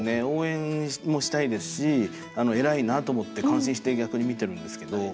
応援もしたいですし偉いなと思って感心して逆に見てるんですけど。